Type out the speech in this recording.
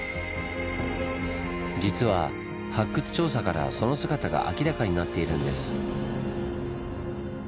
実は発掘調査からその姿が明らかになっているんです。